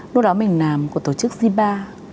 lúc đó mình làm của tổ chức zipa